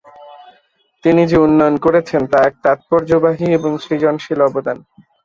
তিনি যে উন্নয়ন করেছেন তা এক তাৎপর্যবাহী এবং সৃজনশীল অবদান।